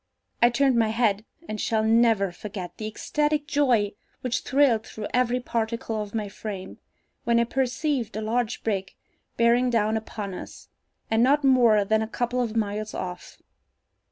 I turned my head, and shall never forget the ecstatic joy which thrilled through every particle of my frame, when I perceived a large brig bearing down upon us, and not more than a couple of miles off.